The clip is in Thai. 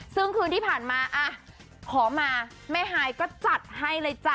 ซึ่งคืนที่ผ่านมาขอมาแม่ฮายก็จัดให้เลยจ้ะ